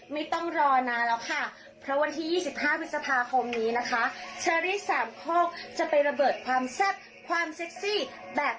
มีโชว์สุดพิเศษรออยู่แน่นอนค่ะ